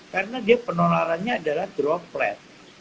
karena penularannya adalah droplet